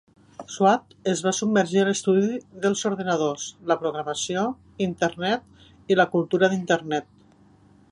Swartz es va submergir a l"estudi dels ordinadors, la programació, Internet i la cultura d"Internet.